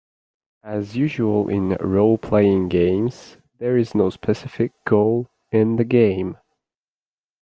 As usual in role-playing games, there is no specific goal in the game.